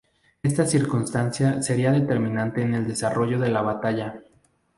Esta circunstancia sería determinante en el desarrollo de la batalla.